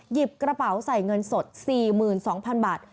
หยิบกระเป๋าใส่เงินสด๔๒๐๐๐บาท